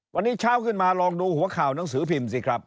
วันนี้เช้าขึ้นมาลองดูหัวข่าวหนังสือพิมพ์สิครับ